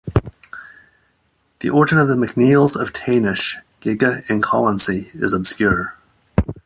The origin of the MacNeills of Taynish, Gigha and Colonsay is obscure.